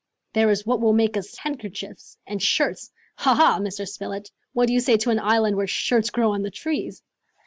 There is what will make us handkerchiefs and shirts! Ha, ha, Mr. Spilett, what do you say to an island where shirts grow on the trees?"